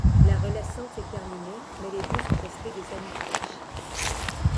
La relation s'est terminée, mais les deux sont restés des amis proches.